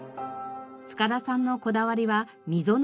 塚田さんのこだわりは溝の細さ。